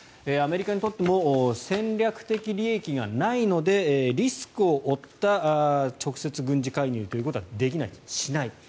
アメリカにとっても戦略的利益がないのでリスクを負った直接軍事介入ということはできない、しない。